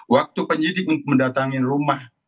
waktu penyidik untuk mendatangi rumah